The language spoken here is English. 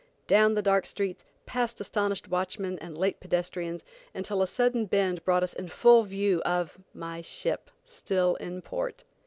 Down the dark streets, past astonished watchmen and late pedestrians, until a sudden bend brought us in full view of my ship still in port.